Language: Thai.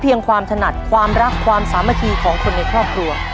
ยังความถนัดความรักความสามัคคีของคนในครอบครัว